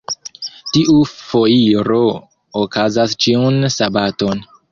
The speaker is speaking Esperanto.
Tiu foiro okazas ĉiun sabaton.